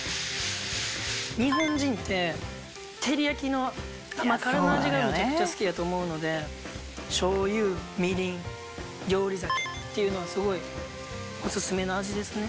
日本人って照り焼きの甘辛の味がめちゃくちゃ好きやと思うのでしょうゆみりん料理酒っていうのはすごいおすすめの味ですね。